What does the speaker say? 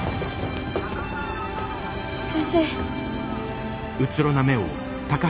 先生。